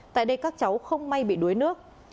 tại đây các cháu không may bị đuối nước